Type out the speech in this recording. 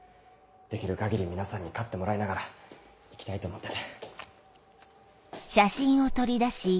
できる限り皆さんに勝ってもらいながら生きたいと思ってて。